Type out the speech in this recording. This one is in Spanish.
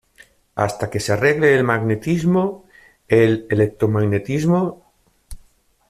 hasta que se arregle el magnetismo, el electromagnetismo...